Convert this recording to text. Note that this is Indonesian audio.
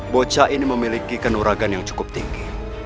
bocha memiliki ke disadvantages yang cukup tinggi